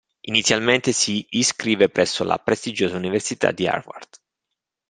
Inizialmente si iscrive presso la prestigiosa università di Harvard.